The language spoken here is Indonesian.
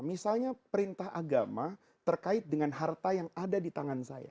misalnya perintah agama terkait dengan harta yang ada di tangan saya